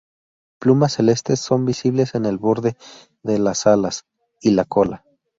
Plumas celestes son visibles en el borde de las alas y la cola.